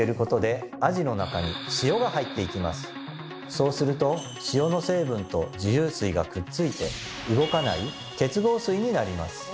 そうすると塩の成分と自由水がくっついて動かない結合水になります。